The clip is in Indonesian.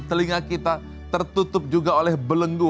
telinga kita tertutup juga oleh belenggu